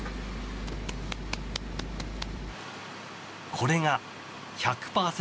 これが１００％